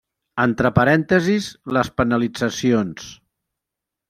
Entre parèntesis les penalitzacions.